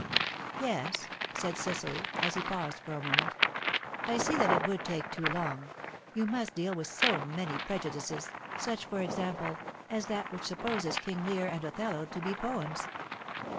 "Yes," said Cecily, as he paused for a moment, "I see that it would take too long. You must deal with so many prejudices such, for example, as that which supposes 'King Lear' and 'Othello' to be poems."